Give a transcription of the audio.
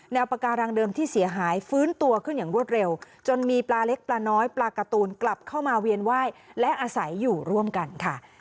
ปากการังเดิมที่เสียหายฟื้นตัวขึ้นอย่างรวดเร็วจนมีปลาเล็กปลาน้อยปลาการ์ตูนกลับเข้ามาเวียนไหว้และอาศัยอยู่ร่วมกันค่ะ